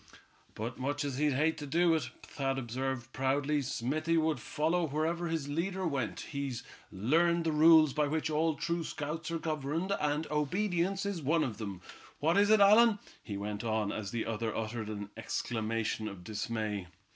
"But, much as he'd hate to do it," Thad observed, proudly, "Smithy would follow wherever his leader went. He's learned the rules by which all true scouts are governed, and obedience is one of them. What is it, Allan?" he went on, as the other uttered an exclamation of dismay.